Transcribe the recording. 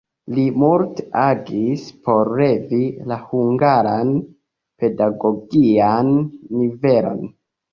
Li multe agis por levi la hungaran pedagogian nivelon.